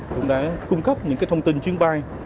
cũng đã cung cấp những thông tin chuyến bay